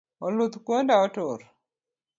Oluth kuonda otur